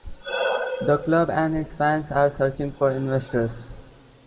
The club and its fans are searching for investors.